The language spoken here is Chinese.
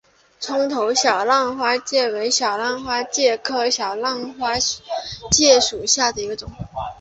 葱头小浪花介为小浪花介科小浪花介属下的一个种。